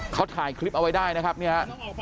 เขาถ่ายคลิปเอาไว้ได้นะครับเนี่ย